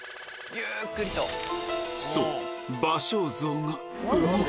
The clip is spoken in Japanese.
そう！